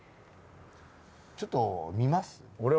ちょっと見ます？